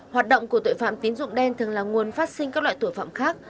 hoạt động của tội phạm tín dụng đen thường là nguồn phát sinh các loại tội phạm khác